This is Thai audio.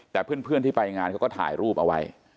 แต่เพื่อนที่ไปงานเขาก็ถ่ายรูปเอาไว้